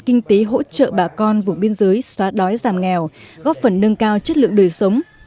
kinh tế hỗ trợ bà con vùng biên giới xóa đói giảm nghèo góp phần nâng cao chất lượng đời sống